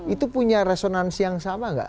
itu punya resonansi yang sama nggak